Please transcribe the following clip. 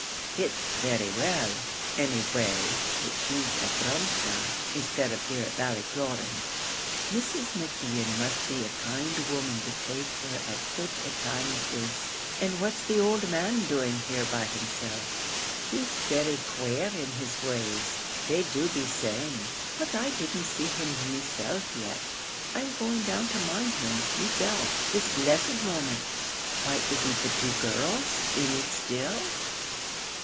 "It's very well, any way, that she's at Drumsna, instead of here at Ballycloran. Mrs. McKeon must be a kind woman to take her at such a time as this. And what's the owld man doing here by himself?" "He's very quare in his ways, they do be saying; but I didn't see him meself yet; I'm going down to mind him, meself, this blessed moment." "Why, isn't the two girls in it still?"